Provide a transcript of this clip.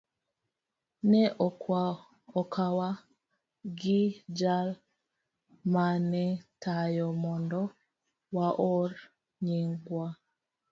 Ne okwawa gi jal ma ne tayo mondo waor nyingwa.